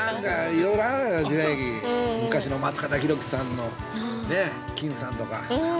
◆いろいろあるんだよ、時代劇、昔の松方さんの金さんとか。